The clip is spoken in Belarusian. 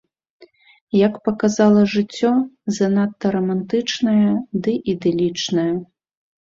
Як паказала жыццё, занадта рамантычная ды ідылічная.